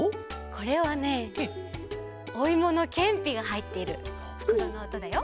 これはねおいものけんぴがはいってるふくろのおとだよ。